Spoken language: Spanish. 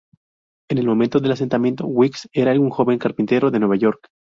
En el momento del asesinato, Weeks era un joven carpintero de Nueva York.